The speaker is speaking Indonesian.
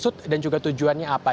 dan juga tujuannya apa